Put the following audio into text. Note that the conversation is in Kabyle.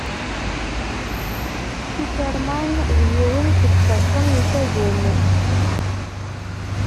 Superman d yiwen seg isaṭṭen ifazen.